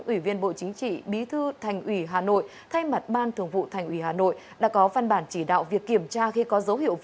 ủy viên bộ chính trị bí thư thành ủy hà nội thay mặt ban thường vụ thành ủy hà nội đã có văn bản chỉ đạo